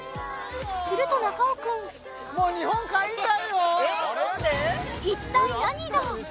すると中尾君一体何が？